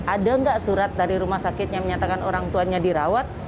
ada nggak surat dari rumah sakit yang menyatakan orang tuanya dirawat